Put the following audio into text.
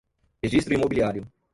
registro imobiliário